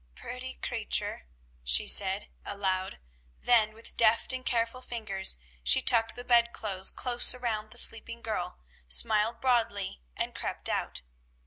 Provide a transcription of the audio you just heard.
"Pretty creatur!" she said aloud; then, with deft and careful fingers she tucked the bed clothes close around the sleeping girl, smiled broadly, and crept out.